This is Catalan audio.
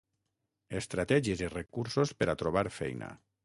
Estratègies i recursos per a trobar feina.